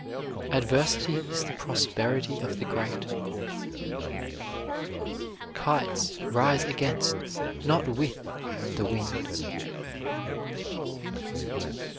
"Adversity is the prosperity of the great." "Kites rise against, not with, the wind."